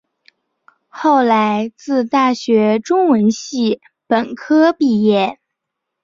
后来自大学中文系本科毕业。